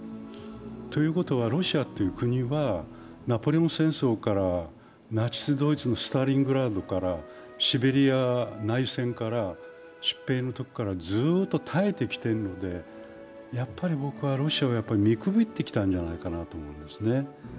ということはロシアという国はナポレオン戦争からナチス・ドイツのスターリングラードからシベリア内戦から、出兵のときからずっと耐えてきているのでやっぱり僕はロシアは見くびってきたんじゃないかと思うんですね。